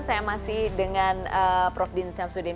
saya masih dengan prof din syamsuddin